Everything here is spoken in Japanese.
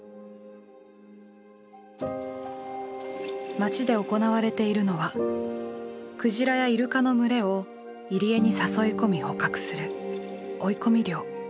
町で行われているのはクジラやイルカの群れを入り江に誘い込み捕獲する「追い込み漁」。